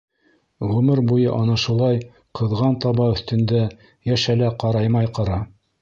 Ғүмер буйы ана шулай ҡыҙған таба өҫтөндә йәшә лә ҡараймай ҡара.